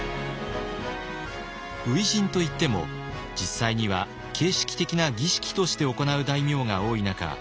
初陣といっても実際には形式的な儀式として行う大名が多い中